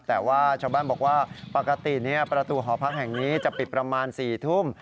แต่ว่าชาวบ้านบอกว่าปกติประตูหอพักแห่งนี้จะปิดประมาณ๔ทุ่ม